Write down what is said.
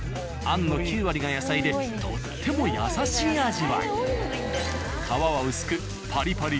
餡の９割が野菜でとっても優しい味わい。